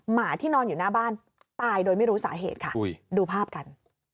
หมาที่นอนอยู่หน้าบ้านตายโดยไม่รู้สาเหตุค่ะดูภาพกัน